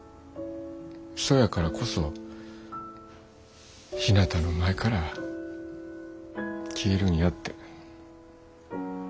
そやからこそひなたの前から消えるんやって。